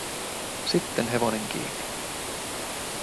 Sitten hevonen kiinni.